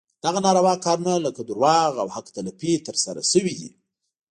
دغه ناروا کارونه لکه دروغ او حق تلفي ترسره شوي دي.